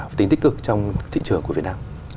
và tính tích cực trong thị trường của việt nam